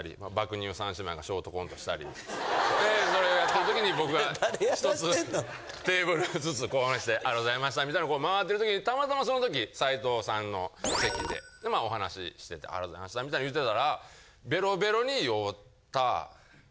でそれやってる時に僕が１つテーブルずつこうして「ありがとうございました」みたいなこう回ってる時にたまたまその時斉藤さんの席でお話ししてて「ありがとうございました」みたいに言ってたら。